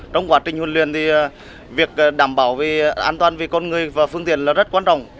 trong quá trình huấn luyện thì việc đảm bảo an toàn vì con người và phương tiện là rất quan trọng